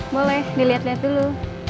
boleh dilihat lihat dulu